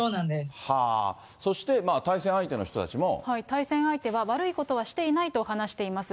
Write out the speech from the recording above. そして、対戦相手は、悪いことはしていないと話しています。